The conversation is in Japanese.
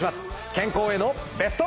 健康へのベスト。